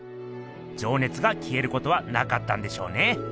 じょうねつがきえることはなかったんでしょうね。